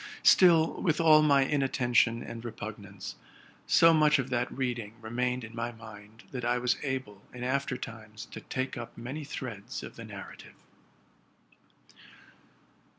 Still, with all my inattention and repug nance, so much of that reading remained in my mind that I was able, in after times, to take up many threads of the nar rative.